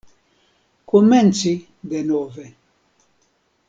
Komenci denove.